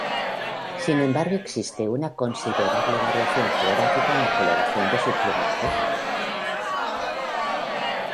Sin embargo existe una considerable variación geográfica en la coloración de su plumaje.